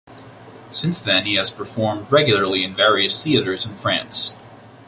Since then he has performed regularly in various theaters in France.